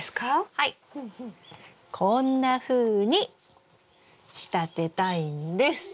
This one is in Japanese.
こんなふうに仕立てたいんです。